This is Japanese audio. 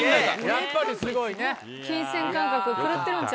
やっぱりすごいね。